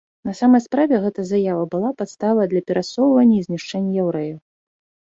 На самай справе, гэта заява была падставай для перасоўвання і знішчэння яўрэяў.